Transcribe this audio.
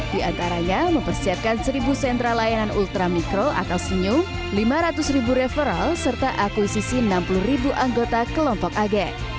diantaranya mempersiapkan seribu sentral layanan ultra mikro atau sinyum lima ratus ribu referral serta akuisisi enam puluh ribu anggota kelompok ag